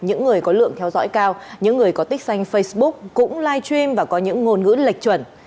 những người có lượng theo dõi cao những người có tích xanh facebook cũng live stream và có những ngôn ngữ lệch chuẩn